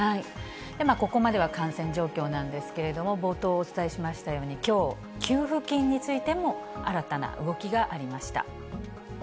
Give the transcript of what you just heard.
ここまでは感染状況なんですけれども、冒頭お伝えしましたように、きょう、給付金についても新たな動きがありました。